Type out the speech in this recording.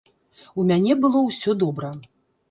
У мяне было ўсё добра.